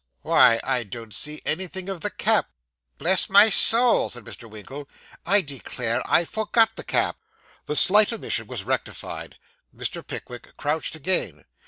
Why, I don't see anything of the cap.' Bless my soul!' said Mr. Winkle, 'I declare I forgot the cap!' The slight omission was rectified. Mr. Pickwick crouched again.